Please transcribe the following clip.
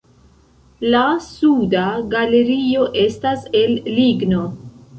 La suda galerio estas el ligno.